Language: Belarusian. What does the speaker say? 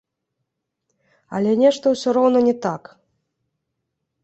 Але нешта ўсё роўна не так.